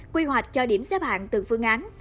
quy hoạch cho điểm xếp hạng từ phương án